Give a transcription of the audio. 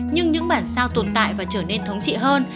nhưng những bản sao tồn tại và trở nên thống trị hơn